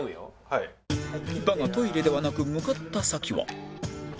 だがトイレではなく向かった先は